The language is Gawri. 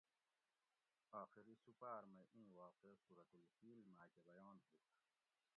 آخری سُپاۤر مئی اِیں واقعہ سورة الفیل ماۤکہ بیان ہُوت